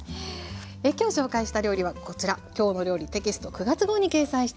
今日紹介した料理はこちら「きょうの料理」テキスト９月号に掲載しています。